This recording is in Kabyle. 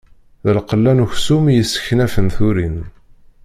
D lqella n uksum, i yesseknafen turin.